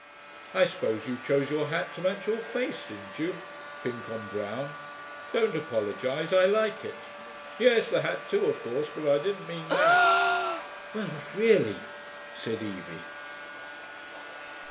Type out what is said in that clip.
I suppose you chose your hat to match your face, didn't you? pink on brown. Don't apologise: I like it. Yes, the hat too, of course, but I didn't mean that.' 'Well, really!' said Evie.